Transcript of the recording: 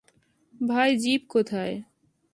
ভাই, জিপ কোথায়?